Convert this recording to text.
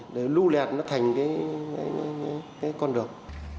để lưu lẹt nó thành cái con đường